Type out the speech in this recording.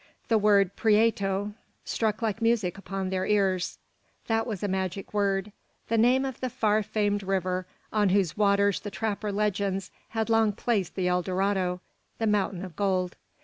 The word "Prieto" struck like music upon their ears. That was a magic word: the name of the far famed river on whose waters the trapper legends had long placed the El Dorado, "the mountain of gold."